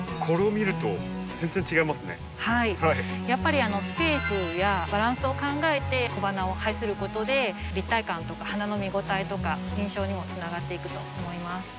やっぱりスペースやバランスを考えて小花を配することで立体感とか花の見応えとか印象にもつながっていくと思います。